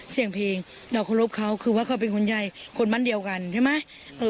เสียงเพลงเราเคารพเขาคือว่าเขาเป็นคนใหญ่คนบ้านเดียวกันใช่ไหม